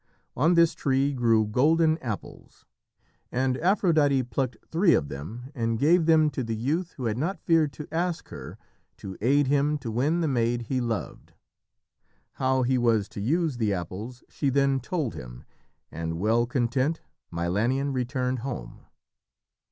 On this tree grew golden apples, and Aphrodite plucked three of them and gave them to the youth who had not feared to ask her to aid him to win the maid he loved. How he was to use the apples she then told him, and, well content, Milanion returned home.